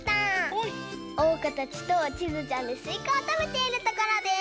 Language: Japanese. おうかたちとちづちゃんですいかをたべているところです。